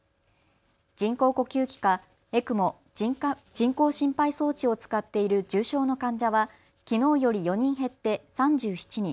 人工呼吸器かＥＣＭＯ・人工心肺装置を使っている重症の患者はきのうより４人減って３７人。